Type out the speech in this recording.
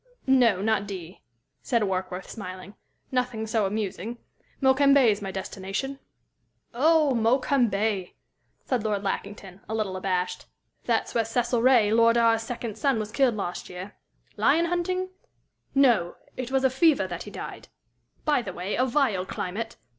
"No, not D ," said Warkworth, smiling. "Nothing so amusing. Mokembe's my destination." "Oh, Mokembe!" said Lord Lackington, a little abashed. "That's where Cecil Ray, Lord R's second son, was killed last year lion hunting? No, it was of fever that he died. By the way, a vile climate!"